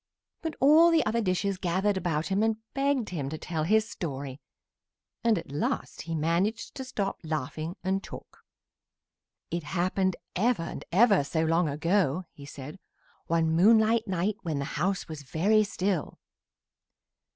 But all the other dishes gathered about him and begged him to tell his story, and at last he managed to stop laughing and talk. "It happened ever and ever so long ago," he said, "one moonlight night when the house was very still.